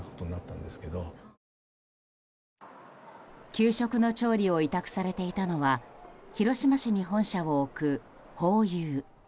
給食の調理を委託されていたのは広島市に本社を置くホーユー。